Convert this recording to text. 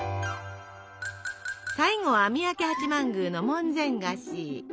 最後は三宅八幡宮の門前菓子。